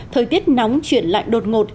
thời tiết nóng chuyển lạnh đột ngột